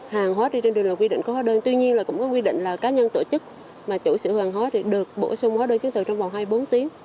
hàng hoa đi trên đường là quy định có hoa đơn tuy nhiên là cũng có quy định là cá nhân tổ chức mà chủ sử hàng hoa được bổ sung hoa đơn chứng từ trong vòng hai mươi bốn tiếng